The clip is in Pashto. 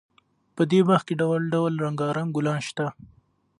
په دې باغ کې ډول ډول رنګارنګ ګلان شته.